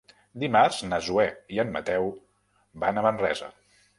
Dimarts na Zoè i en Mateu van a Manresa.